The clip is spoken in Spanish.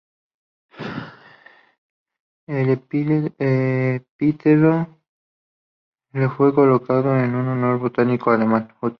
El epíteto le fue colocado en honor del botánico alemán Huth.